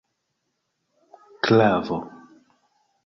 klavo